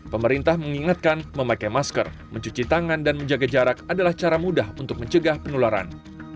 pemerintah mengingatkan memakai masker mencuci tangan dan menjaga jarak adalah cara mudah untuk mencegah penularan